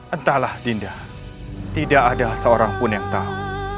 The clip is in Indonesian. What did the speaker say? entahlah dinda tidak ada seorang pun yang tahu